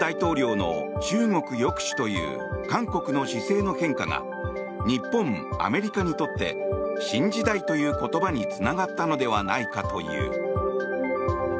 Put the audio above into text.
尹大統領の中国抑止という韓国の姿勢の変化が日本、アメリカにとって新時代という言葉につながったのではないかという。